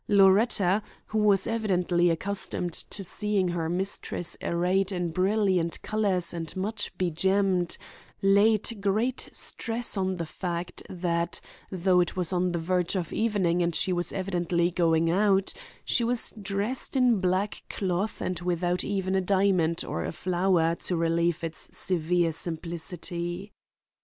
Loretta, who was evidently accustomed to seeing her mistress arrayed in brilliant colors and much begemmed, laid great stress on the fact that, though it was on the verge of evening and she was evidently going out, she was dressed in black cloth and without even a diamond or a flower to relieve its severe simplicity.